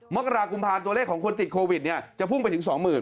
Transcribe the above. มกรากุมภาตัวเลขของคนติดโควิดจะพุ่งไปถึง๒๐๐๐